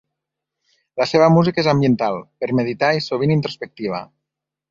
La seva música és ambiental, per meditar i sovint introspectiva.